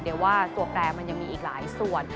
เดี๋ยวว่าตัวแปรมันยังมีอีกหลายส่วน